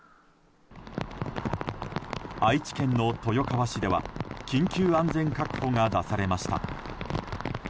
愛知県の豊川市では緊急安全確保が出されました。